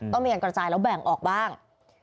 ต้องมีการกระจายแล้วแบ่งออกบ้าง